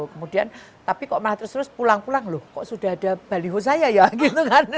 kemudian tapi kok malah terus terus pulang pulang loh kok sudah ada baliho saya ya gitu kan